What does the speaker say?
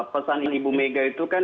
pesan ibu mega itu kan